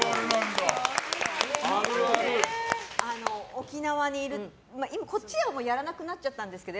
沖縄にいるこっちではやらなくなっちゃったんですけど